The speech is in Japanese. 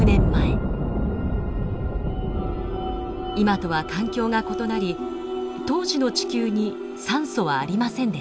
今とは環境が異なり当時の地球に酸素はありませんでした。